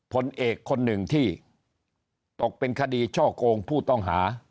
ผลเอกคนหนึ่งที่ตกเป็นคดีช่อโกงผู้ต้องหา